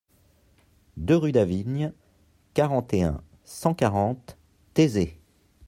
deux rue d'Avigne, quarante et un, cent quarante, Thésée